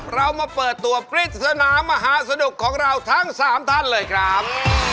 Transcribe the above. เรามาเปิดตัวปริศนามหาสนุกของเราทั้ง๓ท่านเลยครับ